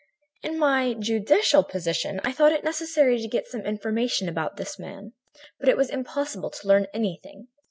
"In my judicial position I thought it necessary to get some information about this man, but it was impossible to learn anything.